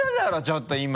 ちょっと今。